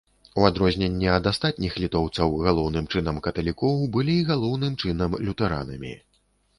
У адрозненне ад астатніх літоўцаў, галоўным чынам каталікоў, былі галоўным чынам лютэранамі.